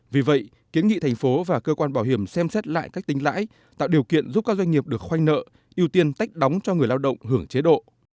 vì vậy kiến nghị thành phố và cơ quan bảo hiểm xem xét lại cách tính lãi tạo điều kiện giúp các doanh nghiệp được khoanh nợ ưu tiên tách đóng cho người lao động hưởng chế độ